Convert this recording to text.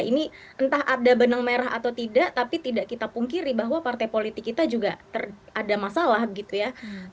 ini entah ada benang merah atau tidak tapi tidak kita pungkiri bahwa partai politik kita juga ada masalah gitu ya